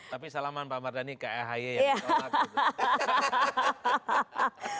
tapi salaman bang mardani ke ehy yang tolak gitu